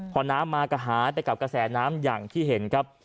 พอน้ำมาก็หายไปกับกระแสน้ำอย่างที่เห็นครับ